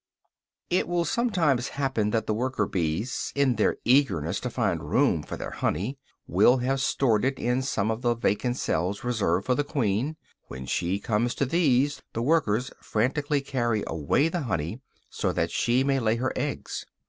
It will sometimes happen that the worker bees, in their eagerness to find room for their honey, will have stored it in some of the vacant cells reserved for the queen; when she comes to these the workers frantically carry away the honey so that she may lay her eggs.